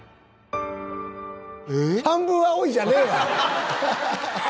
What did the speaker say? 「半分、青い」じゃねえわ！